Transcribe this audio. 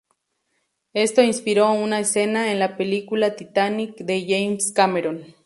Esto inspiró una escena en la película ""Titanic"" de James Cameron.